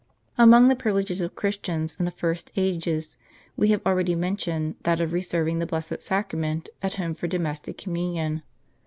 Among the privileges of Christians in the first ages, we have already mentioned that of reserving the Blessed Euchar ist at home for domestic communion.